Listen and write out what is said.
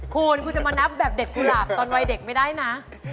คุณคุณจะมานับแบบเด็ดกุหลาบตอนวัยเด็กไม่ได้นะ